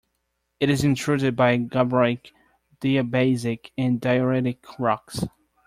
It is intruded by gabbroic, diabasic, and dioritic rocks.